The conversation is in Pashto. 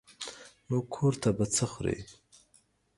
نو کور ته به څه خورې.